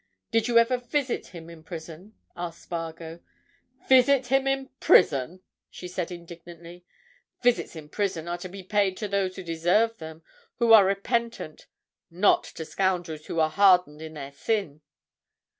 "Did you ever visit him in prison?" asked Spargo. "Visit him in prison!" she said indignantly. "Visits in prison are to be paid to those who deserve them, who are repentant; not to scoundrels who are hardened in their sin!"